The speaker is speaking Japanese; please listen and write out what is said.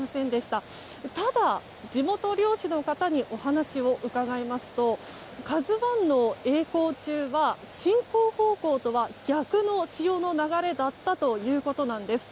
ただ、地元漁師の方にお話を伺いますと「ＫＡＺＵ１」の曳航中は進行方向とは逆の潮の流れだったということなんです。